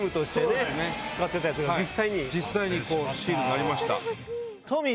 実際にシールになりました。